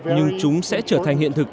nhưng chúng sẽ trở thành hiện thực